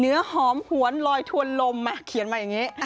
เนื้อหอมหวนลอยถวนลมเขียนมาอย่างนี้